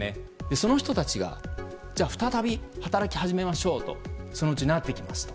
その人たちが再び働き始めましょうとそのうちなってきますと。